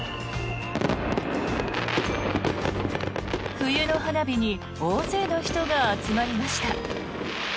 冬の花火に大勢の人が集まりました。